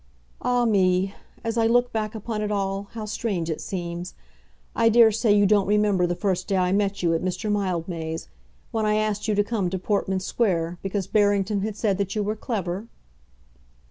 "Ah me; as I look back upon it all, how strange it seems. I dare say you don't remember the first day I met you, at Mr. Mildmay's, when I asked you to come to Portman Square because Barrington had said that you were clever?"